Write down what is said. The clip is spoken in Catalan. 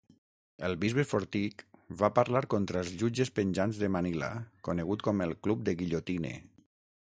El bisbe Fortich va parlar contra els jutges penjants de Manila conegut com el Club de Guillotine.